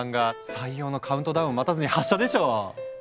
採用のカウントダウンを待たずに発射でしょう！